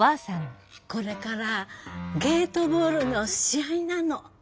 これからゲートボールの試合なの。